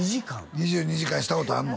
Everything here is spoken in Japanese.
２２時間したことあんの？